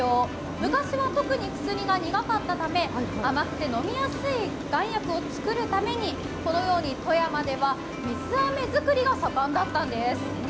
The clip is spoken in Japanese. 昔は特に薬が苦かったため甘くて飲みやすい丸薬を作るためにこのように富山では、水あめ作りが盛んだったんです。